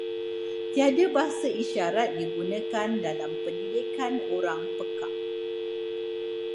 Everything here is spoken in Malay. Tiada bahasa isyarat digunakan dalam pendidikan orang pekak.